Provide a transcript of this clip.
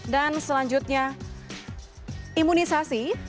dan selanjutnya imunisasi